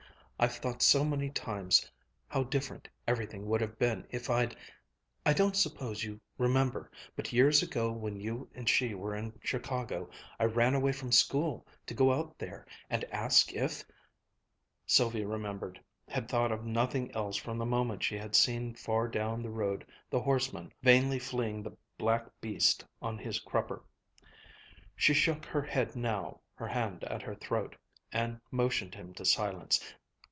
I've thought so many times how different everything would have been if I'd I don't suppose you remember, but years ago when you and she were in Chicago, I ran away from school to go out there, and ask if " Sylvia remembered, had thought of nothing else from the moment she had seen far down the road the horseman vainly fleeing the black beast on his crupper. She shook her head now, her hand at her throat, and motioned him to silence.